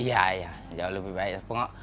iya ya jauh lebih baik